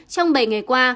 trong bảy ngày qua